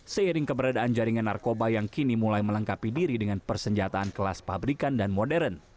seiring keberadaan jaringan narkoba yang kini mulai melengkapi diri dengan persenjataan kelas pabrikan dan modern